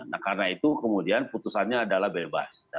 nah karena itu kemudian putusannya adalah bebas